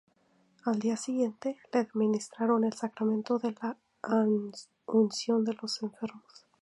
Al día siguiente, le administraron el sacramento de la unción de los enfermos.